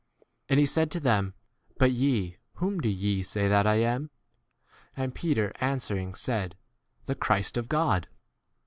And he said to them, But ye, whom do ye say that I am ? And Peter answering said, The 21 Christ of God.